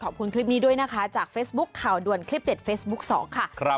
ขอบคุณคลิปนี้ด้วยนะคะจากเฟซบุ๊คข่าวด่วนคลิปเด็ดเฟซบุ๊ค๒ค่ะ